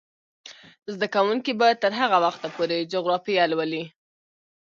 زده کوونکې به تر هغه وخته پورې جغرافیه لولي.